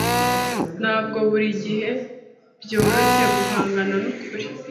Ntabwo buri gihe byoroshye guhangana nukuri.